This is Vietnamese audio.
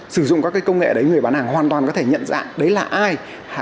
sử dụng các công nghệ đấy người bán hàng hoàn toàn có thể nhận dạng đấy là ai